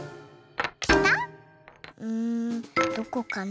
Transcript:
うんどこかな？